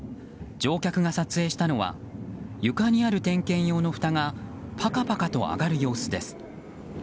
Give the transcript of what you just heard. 乗客が撮影したのは床にある点検用のふたがパカパカと上がる様子です。